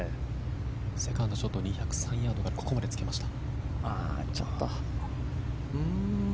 セカンドショット２０３ヤードでここまでつけました。